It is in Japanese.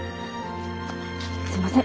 すいません。